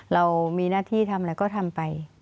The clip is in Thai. เรามีหน้าที่ทำอะไรก็ทำไป